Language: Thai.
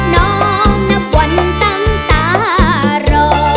น้องนับวันตั้งตารอ